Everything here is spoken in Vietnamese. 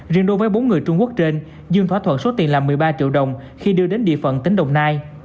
riêng đối với bốn người trung quốc trên dương thỏa thuận số tiền là một mươi ba triệu đồng khi đưa đến địa phận tỉnh đồng nai